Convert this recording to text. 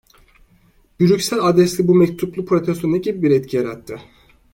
Brüksel adresli bu mektuplu protesto ne gibi bir etki yarattı?